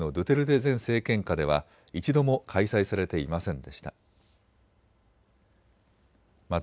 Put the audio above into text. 前政権下では一度も開催されていませんでした。